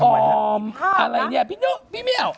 อมอะไรเนี่ยพี่นุพี่เมียว